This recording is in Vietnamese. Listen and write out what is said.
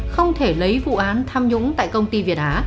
không thể lấy vụ án tham nhũng tại công ty việt á